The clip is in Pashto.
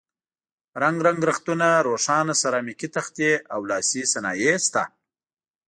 رنګ رنګ رختونه، روښانه سرامیکي تختې او لاسي صنایع شته.